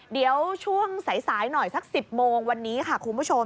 เดี๋ยวช่วงสายหน่อยสัก๑๐โมงวันนี้ค่ะคุณผู้ชม